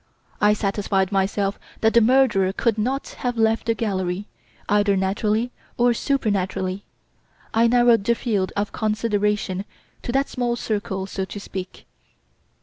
I satisfied myself that the murderer could not have left the gallery, either naturally or supernaturally. I narrowed the field of consideration to that small circle, so to speak.